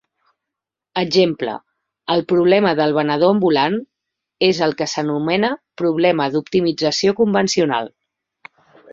Exemple: el problema del venedor ambulant és el que s'anomena problema d'optimització convencional.